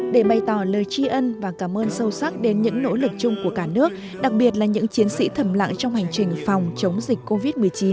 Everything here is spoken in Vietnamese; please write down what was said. để bày tỏ lời chi ân và cảm ơn sâu sắc đến những nỗ lực chung của cả nước đặc biệt là những chiến sĩ thầm lặng trong hành trình phòng chống dịch covid một mươi chín